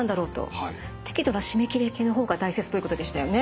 適度な湿り気の方が大切ということでしたよね。